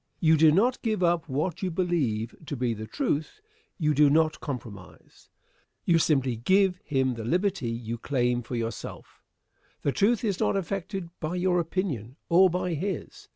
You do not give up what you believe to be the truth; you do not compromise. You simply give him the liberty you claim for yourself. The truth is not affected by your opinion or by his.